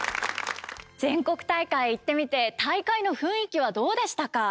全国大会行ってみて大会の雰囲気はどうでしたか？